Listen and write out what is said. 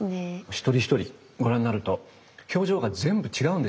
一人一人ご覧になると表情が全部違うんですよね。